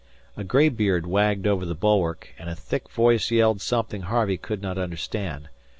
A gray beard wagged over the bulwark, and a thick voice yelled something Harvey could not understand.